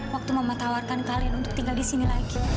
waktu mama tawarkan kalian untuk tinggal di sini lagi